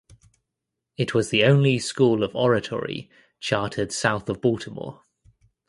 It was the only school of oratory chartered south of Baltimore.